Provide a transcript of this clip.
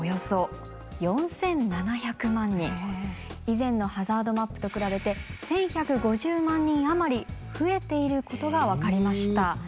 以前のハザードマップと比べて１，１５０万人余り増えていることが分かりました。